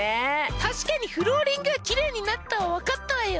確かにフローリングはきれいになったわ分かったわよ